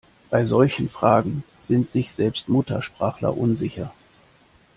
Bei solchen Fragen sind sich selbst Muttersprachler unsicher.